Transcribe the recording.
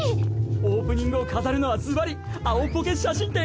オープニングを飾るのはズバリ青ポケ写真展！